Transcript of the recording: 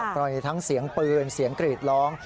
ทั้งเสียงปืนเสียงกรีดร้อง